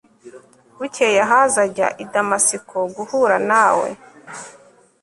bukeye ahazi ajya i damasiko guhura nawe